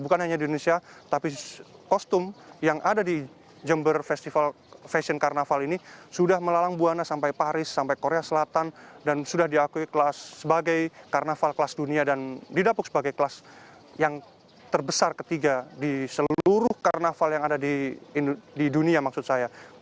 bukan hanya di indonesia tapi kostum yang ada di jember festival fashion karnaval ini sudah melalang buana sampai paris sampai korea selatan dan sudah diakui kelas sebagai karnaval kelas dunia dan didapuk sebagai kelas yang terbesar ketiga di seluruh karnaval yang ada di dunia maksud saya